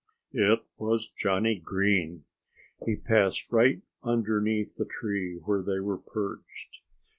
It was Johnnie Green! He passed right underneath the tree where they were perched.